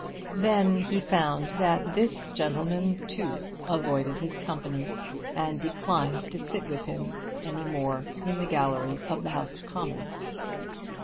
Then he found that this gentleman too, avoided his company, and declined to sit with him any more in the Gallery of the House of Commons.